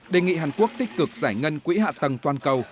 đề nghị hàn quốc tích cực giải ngân quỹ hạ tầng toàn cầu